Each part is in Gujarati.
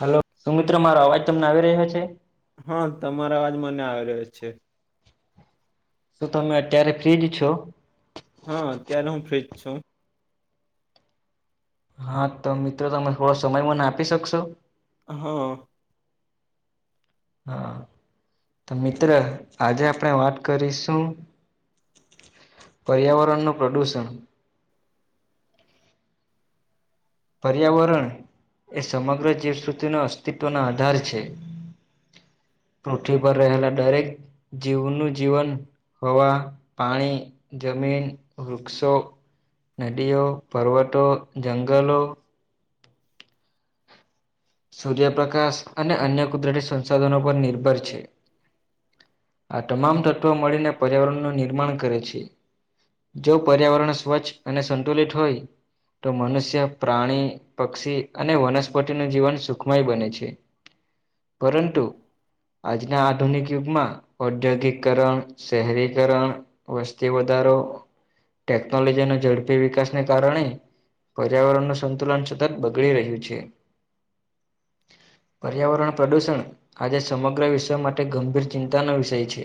હેલો સુ મિત્ર મારો અવાજ તમને આવી રહ્યો છે? હા તમારા અવાજ મને આવી રહ્યો છે. શું તમે અત્યારે ફ્ર્રીજ છો? હા અત્યારે હું ફ્રીજ છું. હા તો મિત્રો તમે થોડો સમય મને આપી શકશો? હા હા તો મિત્ર આજે આપણે વાત કરીશું પર્યાવરણનું પ્રદુષણ પર્યાવરણ એ સમગ્ર જીવશ્રુતિના અસ્તિત્વના આધાર છે પૃથ્વી પર રહેલા દરેક જીવનું જીવન હવા, પાણી, જમીન, વૃક્ષો નદીઓ, પર્વતો, જંગલો સૂર્યપ્રકાશ અને અન્ય કુદરતી સંસાધનો પર નિર્ભર છે. આ તમામ તત્વો મળીને પર્યાવરણનું નિર્માણ કરે છે. જો પર્યાવરણ સ્વચ્છ અને સંતુલિત હોય તો મનુષ્ય પ્રાણી પક્ષી અને વનસ્પતિનું જીવન સુખમય બને છે પરંતુ આજના આધુનિક યુગમાં, ઔદ્યોગિકકરણ, શહેરીકરણ. વસ્તી વધારો, ટેકનોલોજી ન ઝડપી વિકાસને કારણે. પર્યાવરણ ન સંતુલન સતત બગડી રહ્યું છે. પર્યાવરણ પ્રદૂષણ આજે સમગ્ર વિશ્વ માટે ગંભીર ચિંતાનો વિષય છે.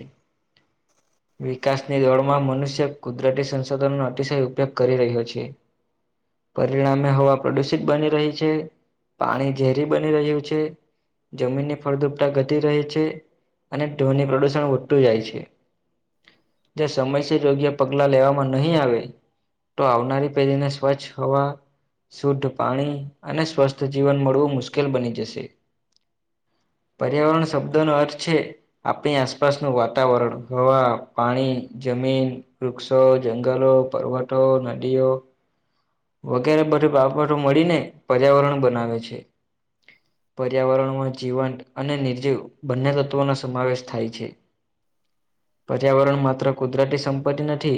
વિકાસની દોડમાં મનુષ્ય કુદરતી સંશોધનો અતિશય ઉપયોગ કરી રહ્યો છે. પરિણામે હવા પ્રદુષિત બની રહી છે, પાણી ઝેરી બની રહ્યું છે, જમીનની ફળદુપટા ઘટી ર છે. અને ધોની પ્રદૂષણ વધતું જાય છે. જે સમયસ યોગ્ય પગલા લેવામાં નહીં આવે. તો આવનારી પેઢીને સ્વચ્છ હોવા. શુદ્ધ પાણી, અને સ્વસ્થ જીવન મળવું મુશ્કેલ બની જશે. પર્યાવરણ શબ્દોનો અર્થ છે. આપણી આસપાસનું વાતાવરણ હવા, પાણી, જમીન. વૃક્ષો, જંગલો, પર્વતો, નદીઓ. વગેરે બધ બાબતો મળીને, પર્યાવરણ બનાવે છે. પર્યાવરણમાં જીવંત, અને નિર્જીવ બંને તત્વોનો સમાવેશ થાય છે. પર્યાવરણ માત્ર કુદરતી સંપત્તિ નથી.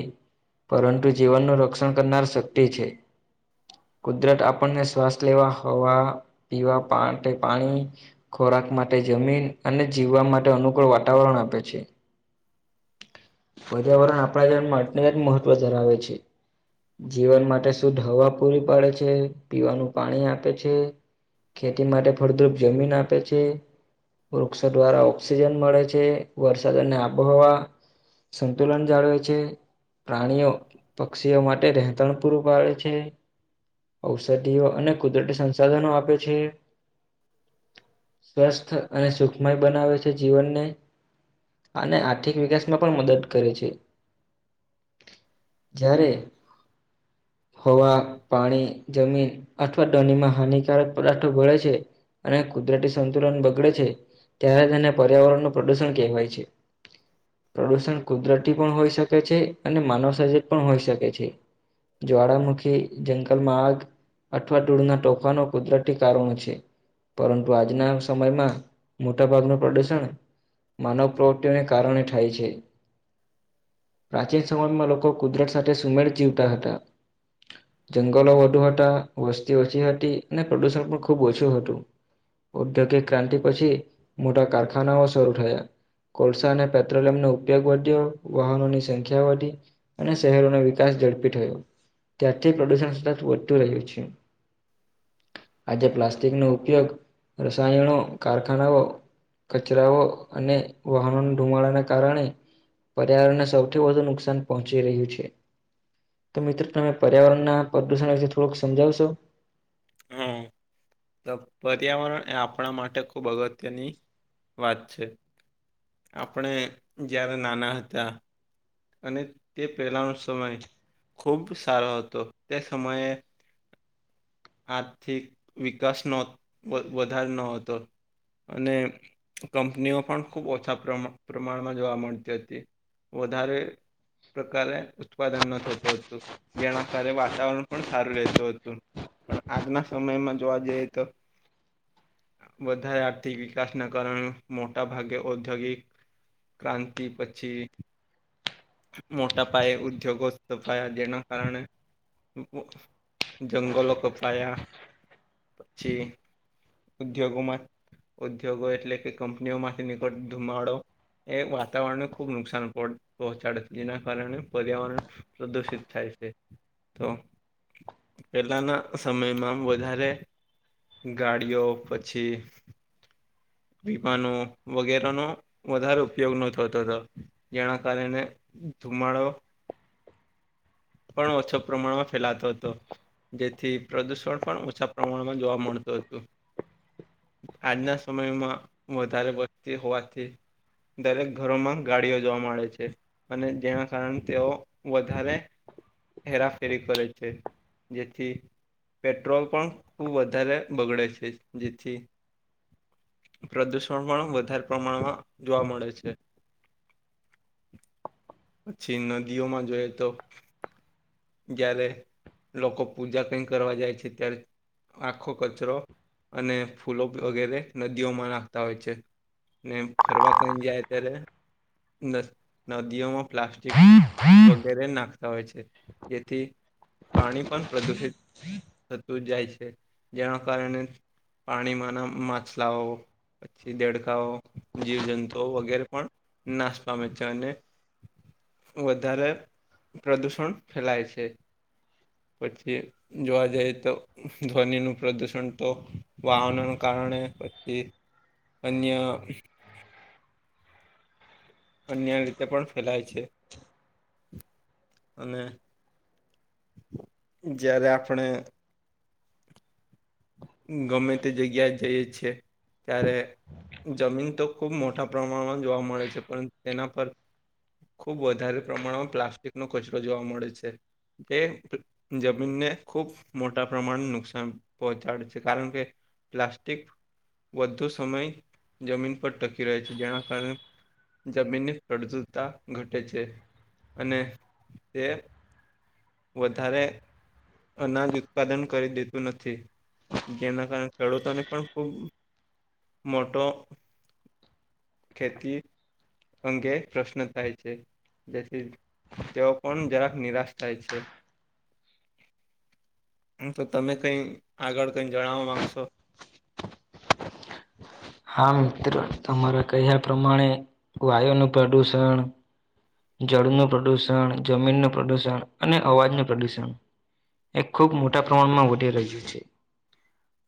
પરંતુ જીવનનું રક્ષણ કરનાર શક્તિ છે. કુદરત આપણને શ્વાસ લેવા હવા, પીવા પાણી. ખોરાક માટે જમીન અને જીવવા માટે અનુકૂળ વાતાવરણ આપે છે. પર્યાવરણ આપણા જનમાં અટલ જ મહત્વ ધરાવે છે. જીવન માટે શુદ્ધ હવા પૂરી પાડે છે, પીવાનું પાણી આપે છે. ખેતી માટે ફળદ્રુપ જમીન આપે છે. વૃક્ષો દ્વારા ઓક્સિજન મળે છે, વરસાદને આબોહવા. સંતુલન જાળવે છે. પ્રાણીઓ પક્ષીઓ માટે રહેતાણ પૂરું પાડે છે. ઔષધિઓ અને કુદરતી સંસાધનો આપે છે. સ્વસ્થ અને સુખમય બનાવે છે જીવનને. અને આર્થિક વિકાસમાં પણ મદદ કરે છે. જ્યારે હવા, પાણી, જમીન, અથવા ડોનીમાં હાનિકારક પો ભળે છે. અને કુદરતી સંતુલન બગડે છે, ત્યારે તેને પર્યાવરણનું પ્રદુષણ કહેવાય છે. પ્રદૂષણ કુદરતી પણ હોઈ શકે છે, અને માનવ સજિત પણ હોઈ શકે છે. જ્વાળામુખી, જંગલમાં આગ, અઠવાટૂળના તોફાનો કુદરત કારણો છે, પરંતુ આજના સમયમાં, મોટા ભાગનું પ્રદૂષણ. માનવ પ્રવૃત્તિઓને કારણે થાય છે. પ્રાચીન સમયમાં લોકો કુદરત સાથે સુમેળ જીવતા હતા. જંગલો વધુ હતા વસ્તી ઓછી હતી અને પ્રદુષણ પણ ખૂબ ઓછું હતું. ઔદ્યોગિક ક્રાંતિ પછી, મોટા કારખાનાઓ શરૂ થયા. કોલસા અને પેટ્રોલિયમનો ઉપયોગ વધ્યો વાહનોની સંખ્યા વધી. અને શહેરોનો વિકાસ ઝડપી થયો, ત્યારથી પ્રદુષણ સતત વધતું રહ્યું છે. આજે પ્લાસ્ટિકનો ઉપયોગ, રસાયણો, કારખાનાઓ. કચરાઓ અને વાહનોના ધુમાડાના કારણે. પર્યાવરણને સૌથી વધુ નુકસાન પહોંચી રહ્યું છે. તો મિત્રો તમે પર્યાવરણના પ્રદુષણ વિશે થોડુંક સમજાવશો. હા. તો પર્યાવરણ એ આપણા માટે ખૂબ અગત્યની વાત છે. આપણે જ્યારે નાના હતા અને તે પહેલાંનો સમય ખૂબ સારો હતો તે સમયે આર્થિક વિકાસ નો વધ વધાર ન હતો. અને કંપનીઓ પણ ખૂબ ઓછા પ્રમા પ્રમાણમાં જોવા મળતી હતી. વધારે પ્રકારે ઉત્પાદન ન થતું હતું. જેના કારે વાતાવરણ પણ સારું રહેતું હતું પણ આજના સમયમાં જોવા જઈએ તો વધારે આર્થિક વિકાસના કારણે મોટા ભાગે ઔદ્યોગિક ક્રાંતિ પછી મોટા પાયે ઉદ્યોગો સ્થપાયા જેના કારણે [unintelligible] જંગલો કપાયા પછી ઉદ્યોગોમાં ઉદ્યોગો એટલે કે કંપનીઓમાંથી નીકળતો ધુમાડો એ વાતાવરણને ખૂબ નુકસાન પોડ પહોંચાડે જેના કારણે પર્યાવરણ પ્રદુષિત થાય છે તો પહેલાના સમયમાં આમ વધારે ગાડીઓ પછી વિમાનો વગેરાનો વધારે ઉપયોગ ન થતો તો જેના કારણે ધુમાડો પણ ઓછો પ્રમાણમાં ફેલાતો હતો. જેથી પ્રદુષણ પણ ઓછા પ્રમાણમાં જોવા મળતું હતું. આજના સમયમાં વધારે વસતી હોવાથી દરેક ઘરોમાં ગાડીઓ જોવા મળે છે અને જેના કારણે તેઓ વધારે હેરાફેરી કરે છે જેથી પેટ્રોલ પણ ખૂબ વધારે બગડે છે જેથી પ્રદુષણ પણ વધાર પ્રમાણમાં જોવા મળે છે. પછી નદીઓમાં જોઈએ તો જયારે લોકો પૂજા કઈ કરવા જાય છે ત્યારે આખો કચરો અને ફૂલો વગેરે નદીઓમાં નાખતા હોય છે. ને ફરવા કઈ જાય ત્યારે નસ નદીઓમાં પ્લાસ્ટિક વગેરે નાખતા હોય છે જેથી પાણી પણ પ્રદુષિત થતું જ જાય છે જેના કારણે પાણીમાં ના માછલાઓ પછી દેડકાઓ, જીવજંતુઓ વગેરે પણ નાશ પામે છે અને વધારે પ્રદુષણ ફેલાય છે પછી જોવા જઈએ તો ધ્વનિ નું પ્રદુષણ તો વાહનો કારણે પછી અન્ય અન્ય રીતે પણ ફેલાય છે અને જયારે આપણે ગમે તે જગ્યાએ જઈએ છે ત્યારે જમીન તો ખૂબ મોટા પ્રમાણમાં જોવા મળે છે પણ તેના પર ખુબ વધારે પ્રમાણમાં પ્લાસ્ટિકનો કચરો જોવા મળે છે. તે જમીનને ખૂબ મોટા પ્રમાણ નુકસાન પહંચાડ છે કારણ કે, પ્લાસ્ટિક વધુ સમય જમીન પર ટકી રહે છે, જેના કારણે જમીનની પ્રજરતા ઘટે છે, અને તે વધારે, અનાજ ઉત્પાદન કરી દેતું નથી. જેના કારણે ખેડૂતોને પણ ખુબ, મોટો ખેતી અંગે પ્રશ્ન થાય છે. જેથી તેઓ પણ જરાક નિરાશ થાય છે. [inaudible] હ તો તમે કઈ આગળ કઈ જણાવવા માંગશો? હા મિત્રો તમારા કહ્યા પ્રમાણે, વાયુનું પ્રદુષણ. જળનું પ્રદુષણ, જમીનનું પ્રદુષણ અને અવાજનું પ્રદુષણ. એ ખુબ મોટા પ્રમાણમાં વધી રહ્યું છે.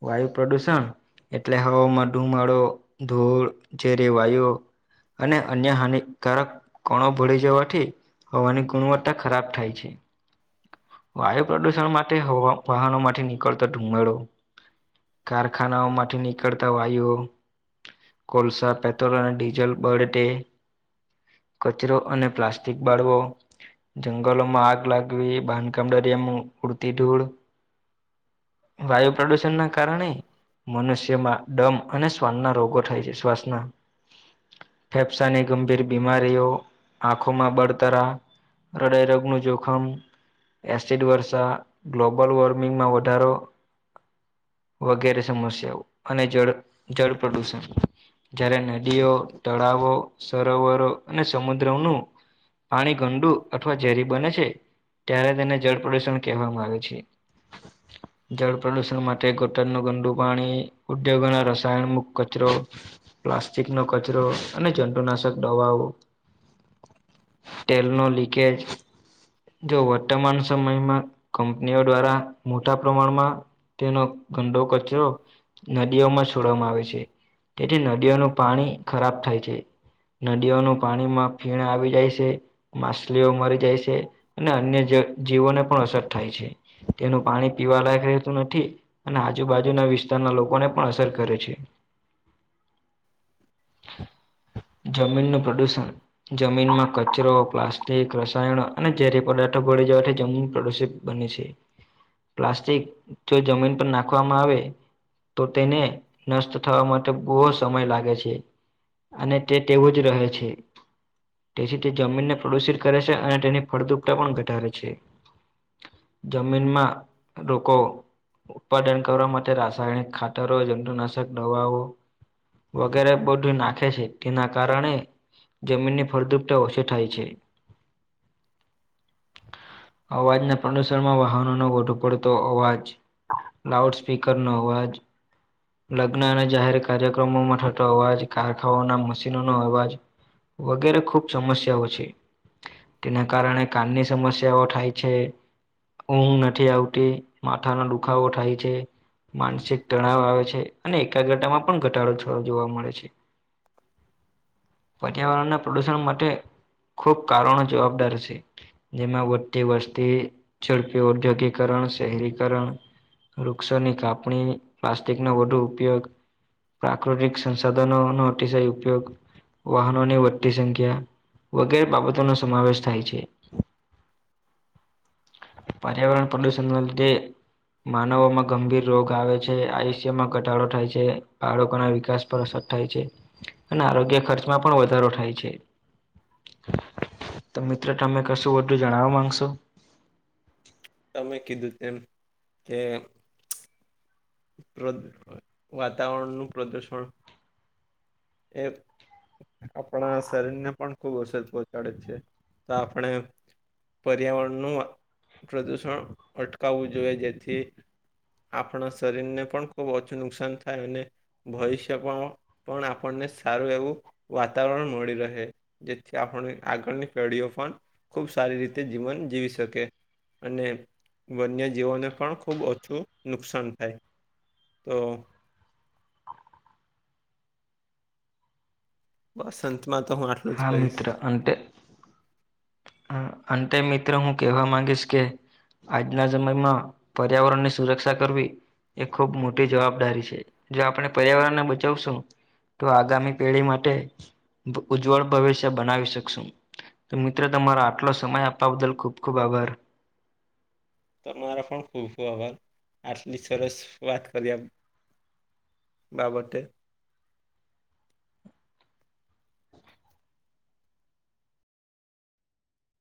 વાયુ પ્રદુષણ, એટલે હવામા ડુમાડો, ધૂળ, જે રેવાયો. અને અન્ય હાનિકારક કોણો ભળી જવાથી. હોવાની ગુણવત્તા ખરાબ થાય છે. વાયુ પ્રદુષણ માટે વાહનો માટેથી નીકળતો ધુમાડો કારખાનાઓમાંથી નીકળતા હો આ કોલસા પેટ્રોલ અને ડીઝલ બડટે કચરો અને પ્લાસ્ટિક બાળવો. જંગલોમાં આગ લાગવી બાંધકામ દરિયામાં ઉડતી ઢૂળ. વાયુ પ્રદુષણ ના કારણે, મનુષ્યમાં ડમ અને શ્વાન ના રોગો થાય છે શ્વાસના. ફેફસાની ગંભીર બીમારીઓ, આંખોમાં બળતરા. હૃદય રગનું જોખમ. એસિડ વર્ષા, ગ્લોબલ વોર્મિંગમાં વધારો. વગેરે સમસ્યાઓ, અને જળ જળ પ્રદુષણ. જયારે નદીઓ તળાવો સરોવરો અને સમુદ્રનું પાણી ગંડુ અથવા ઝેરી બને છે. ત્યારે તેને જળ પ્રદુષણ કહેવામાં આવે છે. જળ પ્રદુષણ માટે ગોટરનું ગંદુ પાણી ઉદ્યોગોના રસાયણ મુક કચરો. પ્લાસ્ટિક નો કચરો અને જંતુનાશક દવાઓ. તેલનો લીકેેજ. જો વર્તમાન સમયમાં કંપનીઓ દ્વારા મોટા પ્રમાણમાં. તેનો ગંડો કચરો. નદીઓમાં છોડવામાં આવે છે, તેથી નદીઓનું પાણી ખરાબ થાય છે. નદીઓનું પાણીમાં ફીણ આવી જાય છે. માછલીઓ મરી જાય છે, અને અન્ય જીવોને પણ અસર થાય છે. તેનું પાણી પીવા લયક રહેતું નથી, અને આજુબાજુના વિસ્ત વિસ્તારના લોકોને પણ અસર કરે છે. જમીનનું પ્રદૂષણ. જમીનમાં કચરો પ્લાસ્ટિક રસાયણ અને ઝરી પદાર્થો ભળી જવાથી જમીન પ્રદુષિત બને છે, પ્લાસ્ટિક જો જમીન પર નાખવામાં આવે. તો તેને નષ્ટ થવા માટે બહુ સમય લાગે છે. અને તે તેવું જ રહે છે. તેથી તે જમીનને પ્રદુષિત કરે છે અને તેની ફળદુપતા પણ ઘટાડે છે. જમીનમાં લોકો ઉત્પાદન કરવા માટે રાશ રાસાયણિક ખાતરો જતુંનાશક દવાઓ. વગેરે બધું નાખે છે તેના કારણે. જમીનની ફળદુપતા ઓછી થાય છે. અવાજના પ્રદુષણમાં વાહનો નો વધુ પડતો અવાજ, લાઉડ સ્પીકરનો. અવાજ લગ્ન અને જાહેર કાર્યક્રમોમાં થતો અવાજ કારખાઓના મશીનોનો અવાજ. વગેરે ખુબ સમસ્યાઓ છે. તેના કારણે કાનની સમસ્યાઓ થાય છે. ઊંઘ નથી આવતી, માથાના દુખાવો થાય છે. માનસિક તણાવ આવે છે, અને એકાગ્રતામાં પણ ઘટાડો થોડો જોવા મળે છે. પર્યાવરણના પ્રદુષણ માટે ખુબ કારણો જવાબદાર છે. જેમાં વધતી વસ્તી ઝડપી ઔદ્યોગીકરણ શહેરીકરણ. વૃક્ષોની કાપણી પ્લાસ્ટિકનો વધુ ઉપયોગ. પ્રાકૃતિક સંસાધનોનો અતિશય ઉપયોગ. વાહનોની વધતી સંખ્યા, વગેરે બાબતોનો સમાવેશ થાય છે. પર્યાવરણ પ્રદૂષણના લીધે માનવોમાં ગંભીર રોગ આવે છે, આયુષ્યમાં ઘટાડો થાય છે, બાળકોના વિકાસ પર અસર થાય છે, અને આરોગ્ય ખર્ચમાં પણ વધારો થાય છે. તો મિત્રો તમે કશું વધુ જણાવવા માંગશો? તમે કીધું તેમ, કે ઉપરોક્ત વાતાવરણનું પ્રદુષણ, એ આપણા શરીરને પણ ખુબ અસર પહોંચાડે છે, તો આપણે પર્યાવરણનું પ્રદૂષણ અટકાવવું જોઈએ જેથી આપણા શરીરને પણ ખૂબ ઓછું નુકસાન થાય, અને ભવિષ્યમાં પણ આપણને સારું એવું વાતાવરણ મળી રહે, જેથી આપણે આગળની પેઢીઓ પણ ખુબ સારી રીતે જીવન જીવી શકે. અને વન્યજીવોને પણ ખૂબ ઓછું નુકસાન કરે, તો બસ અંતમાં તો હું આટ હા મિત્ર અંતે હ અંતે મિત્ર હું કહેવા માંગીશ કે આજના સમયમાં પર્યાવરણની સુરક્ષા કરવી. એ ખૂબ મોટી જવાબદારી છે, જો આપણે પર્યાવરણને બચાવશું. તો આગામી પેઢી માટે ઉજ્જવળ ભવિષ્ય બનાવી શકશું, તો મિત્રો તમારો આટલો સમય આપવા બદલ ખૂબ ખૂબ આભાર. તમારો પણ ખૂબ આભાર, આટલી સરસ વાત કર્યા બાબતે.